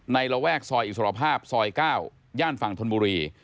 ระแวกซอยอิสรภาพซอย๙ย่านฝั่งธนบุรี